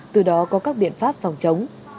từ đó có các biện pháp phòng chống